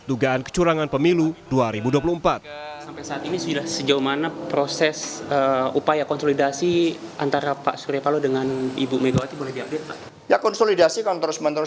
dugaan kecurangan pemilu dua ribu dua puluh empat